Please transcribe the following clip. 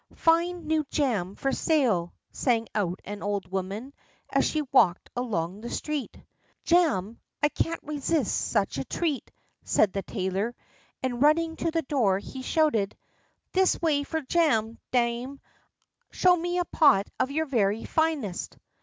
"Fine new jam for sale," sang out an old woman, as she walked along the street. "Jam! I can't resist such a treat," said the tailor; and, running to the door, he shouted: "This way for jam, dame; show me a pot of your very finest."